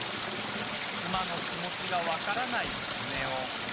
妻の気持ちが分からない常雄。